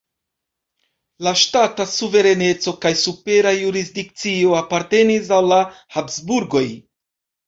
La ŝtata suvereneco kaj supera jurisdikcio apartenis al la Habsburgoj.